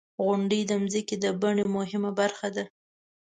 • غونډۍ د ځمکې د بڼې مهمه برخه ده.